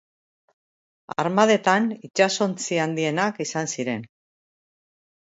Armadetan itsasontzi handienak izan ziren.